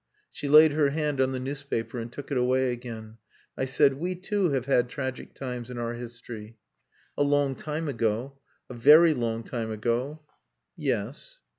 She laid her hand on the newspaper and took it away again. I said "We too have had tragic times in our history." "A long time ago. A very long time ago." "Yes."